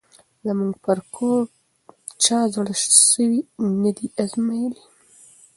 زموږ پر کور چا زړه سوی نه دی آزمییلی